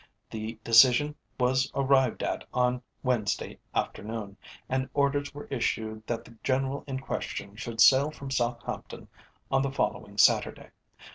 The decision was arrived at on Wednesday afternoon, and orders were issued that the General in question should sail from Southampton on the following Saturday.